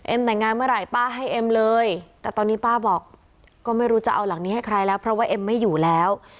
แต่งงานเมื่อไหร่ป้าให้เอ็มเลยแต่ตอนนี้ป้าบอกก็ไม่รู้จะเอาหลังนี้ให้ใครแล้วเพราะว่าเอ็มไม่อยู่แล้ว